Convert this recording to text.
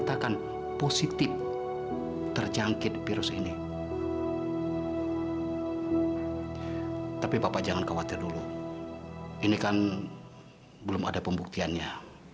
sampai jumpa di video selanjutnya